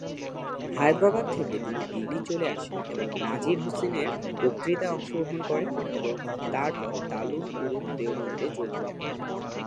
হায়দ্রাবাদ থেকে তিনি দিল্লি চলে আসেন এবং নাজির হোসেনের বক্তৃতায় অংশগ্রহণ করেন, এবং তারপর দারুল উলুম দেওবন্দে যোগ দেন।